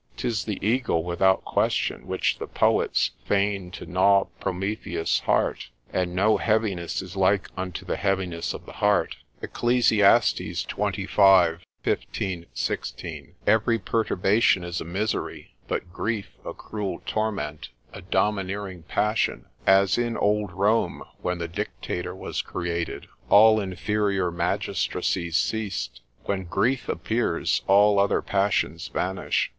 'Tis the eagle without question which the poets feigned to gnaw Prometheus' heart, and no heaviness is like unto the heaviness of the heart, Eccles. xxv. 15, 16. Every perturbation is a misery, but grief a cruel torment, a domineering passion: as in old Rome, when the Dictator was created, all inferior magistracies ceased; when grief appears, all other passions vanish.